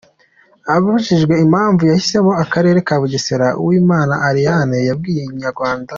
Abajijwe impamvu yahisemo akarere ka Bugesera Uwimana Ariane yabwiye Inyarwanda.